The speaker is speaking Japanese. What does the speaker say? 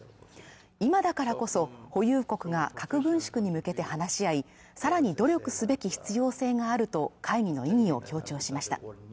今だからこそ保有国が核軍縮に向けて話し合いさらに努力すべき必要性があると会議の意義を強調しました